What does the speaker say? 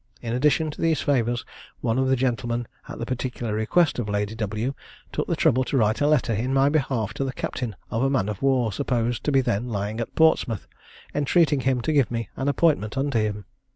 In addition to these favours, one of the gentlemen at the particular request of Lady W , took the trouble to write a letter in my behalf to the captain of a man of war, supposed to be then lying at Portsmouth, entreating him to give me an appointment under him.